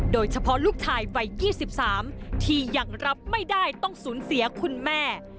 โดยเฉพาะลูกชายวัย๒๓ที่ยังรับไม่ได้ต้องสูญเสียคุณแม่